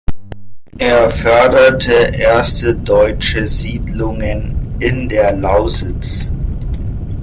Er förderte erste deutsche Siedlungen in der Lausitz.